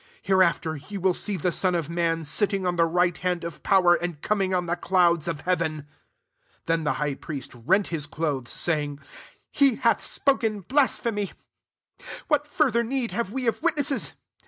Hereafter ye will see the Son of man sitting on the right hand of power, and coming on the clouds of heaven." 65 Then the high priest rent his clothes, saying, «* He hath spoken blasphemy : what fur* ther need have we of witnesses?